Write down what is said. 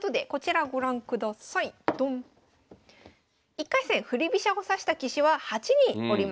１回戦振り飛車を指した棋士は８人おりました。